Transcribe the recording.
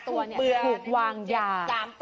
ถูกวางยา